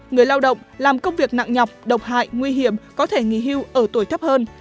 người lao động làm công việc nặng nhọc độc hại nguy hiểm có thể nghỉ hưu ở tuổi thấp hơn